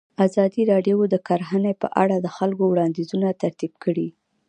ازادي راډیو د کرهنه په اړه د خلکو وړاندیزونه ترتیب کړي.